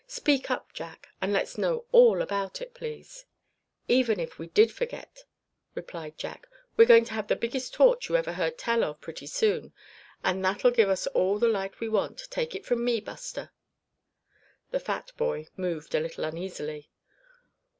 Speak up, Jack, and let's know all about it, please." "Even if we did forget," replied Jack, "we're going to have the biggest torch you ever heard tell of, pretty soon; and that'll give us all the light we want, take it from me, Buster." The fat boy moved a little uneasily.